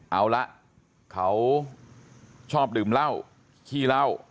เอาละเขาชอบดื่มเหล้าขี้เหล้า